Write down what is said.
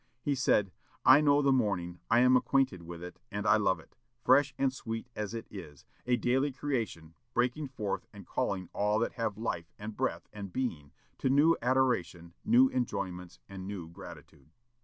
He said, "I know the morning; I am acquainted with it, and I love it, fresh and sweet as it is, a daily creation, breaking forth and calling all that have life, and breath, and being, to new adoration, new enjoyments, and new gratitude."